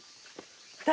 誰？